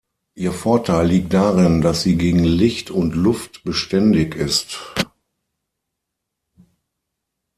Ihr Vorteil liegt darin, dass sie gegen Licht und Luft beständig ist.